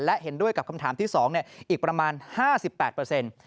และเห็นด้วยกับคำถามที่๒อีกประมาณ๕๘เปอร์เซ็นต์